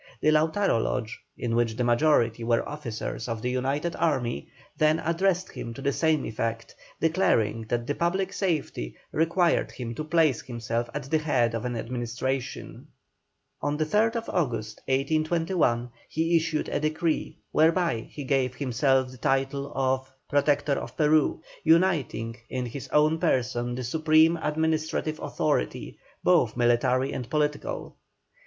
The Lautaro Lodge, in which the majority were officers of the united army, then addressed him to the same effect, declaring that the public safety required him to place himself at the head of an administration. On the 3rd August, 1821, he issued a decree, whereby he gave himself the title of "Protector of Peru," uniting in his own person the supreme administrative authority, both military and political.